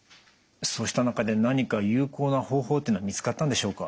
そうした中で何か有効な方法というのは見つかったんでしょうか？